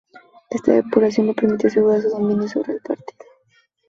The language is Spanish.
Esta depuración le permitió asegurar su dominio sobre el partido.